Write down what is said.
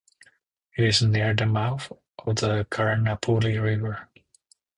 It is near the mouth of the Karnaphuli River.